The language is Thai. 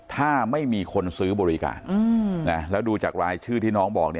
ถ้าไม่มีคนซื้อบริการแล้วดูจากรายชื่อที่น้องบอก